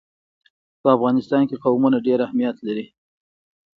په افغانستان کې قومونه ډېر اهمیت لري.